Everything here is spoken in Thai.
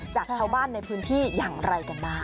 จากชาวบ้านในพื้นที่อย่างไรกันบ้าง